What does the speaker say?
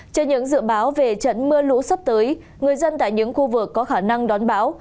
trên những dự báo về trận mưa lũ sắp tới người dân tại những khu vực có khả năng đón báo